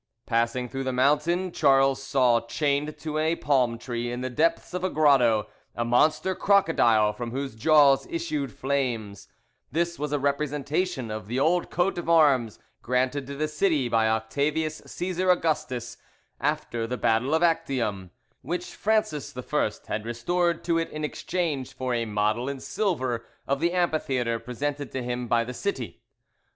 Passing through the mountain, Charles saw chained to a palm tree in the depths of a grotto a monster crocodile from whose jaws issued flames: this was a representation of the old coat of arms granted to the city by Octavius Caesar Augustus after the battle of Actium, and which Francis I had restored to it in exchange for a model in silver of the amphitheatre presented to him by the city.